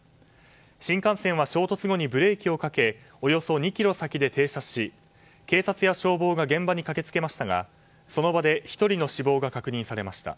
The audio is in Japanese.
新幹線は衝突後にブレーキをかけおよそ２ｋｍ先で停車し警察や消防が現場に駆けつけましたがその場で１人の死亡が確認されました。